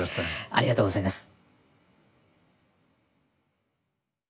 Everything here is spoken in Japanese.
ありがとうございます。